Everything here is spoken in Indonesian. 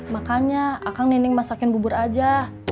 makanya akang nining masakin bubur aja